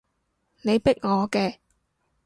你逼我嘅